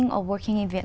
câu hỏi về việc